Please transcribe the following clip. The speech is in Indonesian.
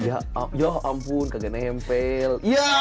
ya ampun kagak nempel